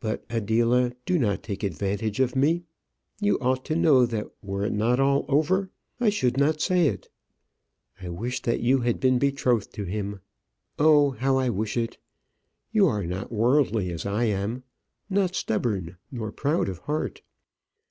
But, Adela, do not take advantage of me. You ought to know that were it not all over, I should not say it. I wish that you had been betrothed to him. Oh, how I wish it! You are not worldly, as I am; not stubborn, nor proud of heart.